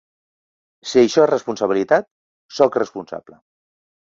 Si això és responsabilitat, soc responsable.